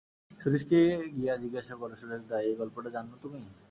সুরেশকে গিয়া জিজ্ঞাসা করে-সুরেশদা, এই গল্পটা জানো তুমি?